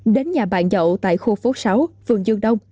đến nhà bạn dậu tại khu phố sáu phường dương đông